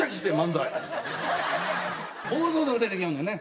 暴走族出てきよんねんね。